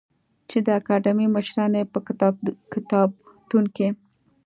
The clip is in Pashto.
چې د اکاډمۍ مشران یې په کتابتون کې